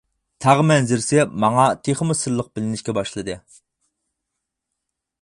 تاغ مەنزىرىسى ماڭا تېخىمۇ سىرلىق بىلىنىشكە باشلىدى.